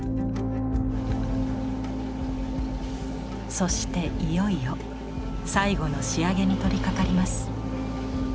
そしていよいよ最後の仕上げに取りかかります。